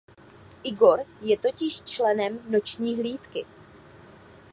Igor je totiž členem Noční hlídky.